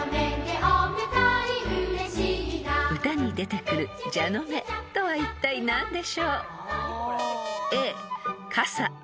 ［歌に出てくる「じゃのめ」とはいったい何でしょう？］